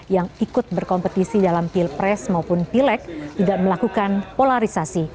yang ikut berkompetisi dalam pilpres maupun pilek tidak melakukan polarisasi